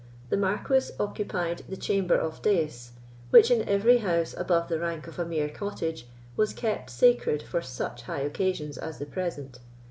The Marquis occupied the chamber of dais, which, in every house above the rank of a mere cottage, was kept sacred for such high occasions as the present.